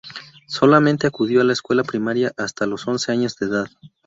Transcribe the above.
Solamente acudió a la escuela primaria hasta los once años de edad.